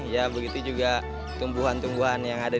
ya begitu juga tumbuhan tumbuhan yang ada di sini